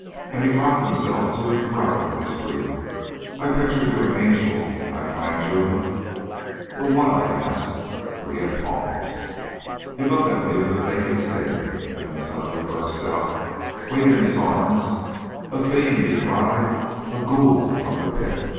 and he rocked himself to and fro in his grief; "I pictured you an angel and I find you a " "A what?" I asked, for he had paused. He looked at me with a vacant stare, and then suddenly burst out, waving his arms: "A fiend!" he cried. "A ghoul from the pit!